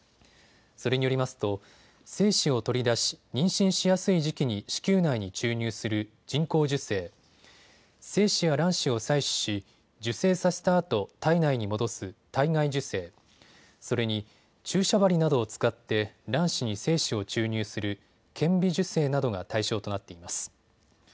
それによりますと精子を取り出し妊娠しやすい時期に子宮内に注入する人工授精、精子や卵子を採取し受精させたあと体内に戻す体外受精、それに、注射針などを使って卵子に精子を注入する顕微授精などが対象となっています。